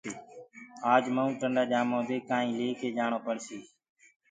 آج مئونٚ ٽندآ جآمو دي ڪآئينٚ ليڪي جآڻو پڙسيٚ